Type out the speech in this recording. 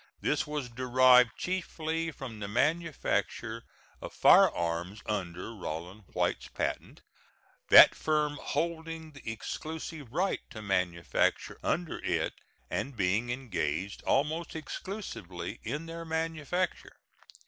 This was derived chiefly from the manufacture of firearms under Rollin White's patent, that firm holding the exclusive right to manufacture under it and being engaged almost exclusively in their manufacture.